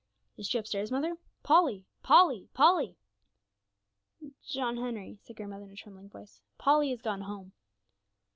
'Is she upstairs, mother? Polly! Polly! Polly!' 'John Henry,' said grandmother in a trembling voice, 'Polly has gone home.'